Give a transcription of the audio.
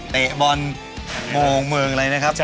เตะบอลโมงเมืองอะไรนะครับ